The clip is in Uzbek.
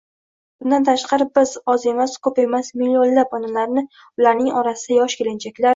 Bundan tashqari... biz oz emas-ko‘p emas millionlab onalarni ularning orasida yosh kelinchaklar